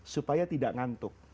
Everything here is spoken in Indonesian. supaya tidak ngantuk